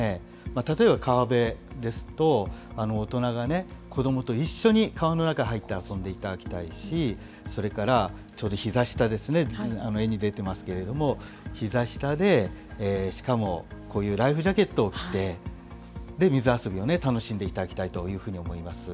例えば川辺ですと、大人が子どもと一緒に川の中に入って遊んでいただきたいし、それから、ちょうどひざ下ですね、絵に出ていますけれども、ひざ下で、しかもこういうライフジャケットを着て、水遊びを楽しんでいただきたいというふうに思います。